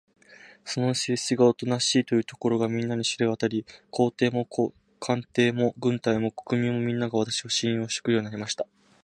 私の性質がおとなしいということが、みんなに知れわたり、皇帝も宮廷も軍隊も国民も、みんなが、私を信用してくれるようになりました。